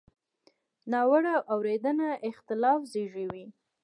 ناوړه اورېدنه اختلاف زېږوي.